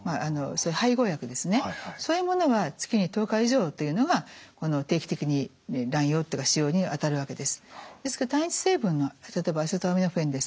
そういう配合薬ですねそういうものが月に１０日以上というのがこの定期的に乱用というか使用にあたるわけです。